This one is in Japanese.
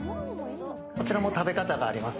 こちらも食べ方があります。